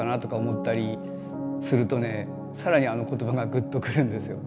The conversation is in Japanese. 更にあの言葉がぐっとくるんですよ。